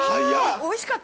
◆おいしかった？